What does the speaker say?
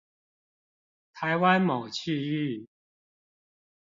台灣某區域